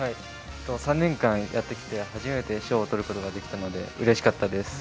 ３年間やってきて初めて賞をとることができたのでうれしかったです。